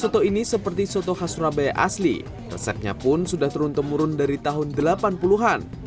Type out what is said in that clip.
soto ini seperti soto khas surabaya asli resepnya pun sudah turun temurun dari tahun delapan puluh an